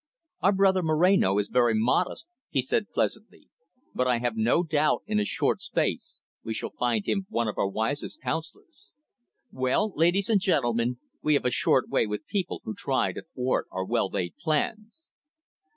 "Our brother Moreno is very modest," he said pleasantly. "But I have no doubt in a short space we shall find him one of our wisest counsellors. Well, ladies and gentlemen, we have a short way with people who try to thwart our well laid plans."